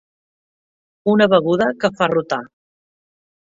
Una beguda que fa rotar.